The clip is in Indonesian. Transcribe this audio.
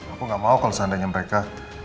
aku gak mau kalau seandainya mereka